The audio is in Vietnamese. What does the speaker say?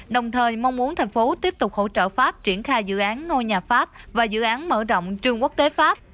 đồng thời mong muốn thành phố tiếp tục hỗ trợ pháp triển khai dự án ngôi nhà pháp và dự án mở rộng trường quốc tế pháp